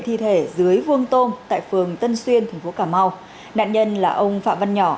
thi thể dưới vuông tôm tại phường tân xuyên thành phố cà mau nạn nhân là ông phạm văn nhỏ